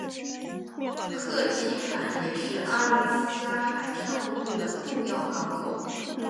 克奇坎也是阿拉斯加海上公路的重要港口。